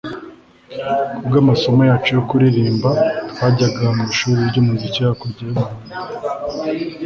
Kubwamasomo yacu yo kuririmba twajyaga mwishuri ryumuziki hakurya yumuhanda